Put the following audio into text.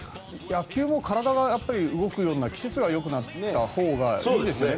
野球も体が動くような季節がよくなったほうがいいですよね。